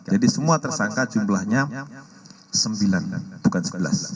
jadi semua tersangka jumlahnya sembilan bukan sebelas